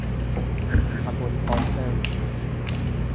ابوالقاسم